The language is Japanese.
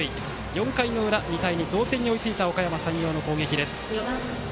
４回の裏２対２の同点に追いついたおかやま山陽の攻撃です。